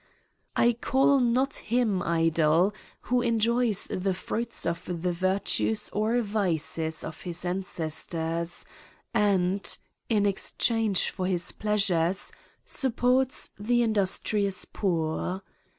I call not him idle who enjoys the fruits of the virtues or vices of his ancestors, and, in exchange for hib pleasures, supports the indus* trious poor.